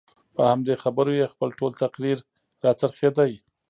په همدې خبرو یې خپل ټول تقریر راڅرخېده.